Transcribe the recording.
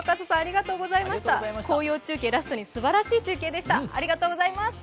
紅葉中継ラストにすばらしい中継でした。